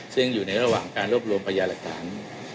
ซึ่งอยู่ในระหว่างการรวบรวมพยาหลักฐาน